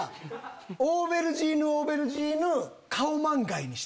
オーベルジーヌオーベルジーヌ。